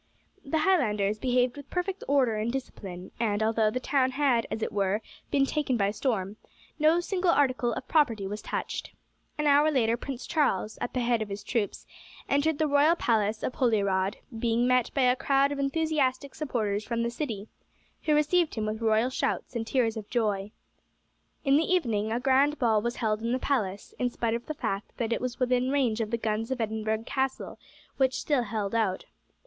The Highlanders behaved with perfect order and discipline, and although the town had, as it were, been taken by storm, no single article of property was touched. An hour later Prince Charles, at the head of his troops, entered the royal palace of Holyrod, being met by a crowd of enthusiastic supporters from the city, who received him with royal shouts and tears of joy. In the evening a grand ball was held in the palace, in spite of the fact that it was within range of the guns of Edinburgh Castle, which still held out.